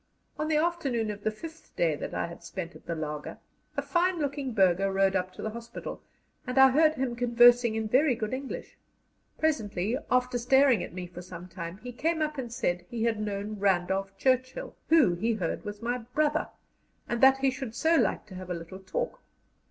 On the afternoon of the fifth day that I had spent at the laager, a fine looking burgher rode up to the hospital, and I heard him conversing in very good English. Presently, after staring at me for some time, he came up and said he had known Randolph Churchill, who, he heard, was my brother, and that he should so like to have a little talk.